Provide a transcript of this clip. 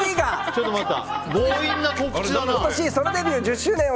ちょっと待った！